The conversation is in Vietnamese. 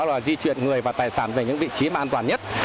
và di chuyển người và tài sản về những vị trí an toàn nhất